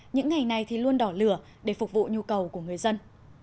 những ngày này thì luôn đỏ lửa để phục vụ nhu cầu của người dân